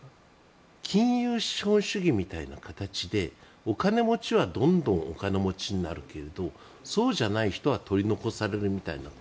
金融資本主義みたいな形でお金持ちはどんどんお金持ちになるけれどそうじゃない人は取り残されるみたいな。